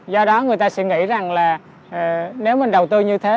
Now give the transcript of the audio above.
do đó người ta sẽ nghĩ rằng là nếu mình đầu tư như thế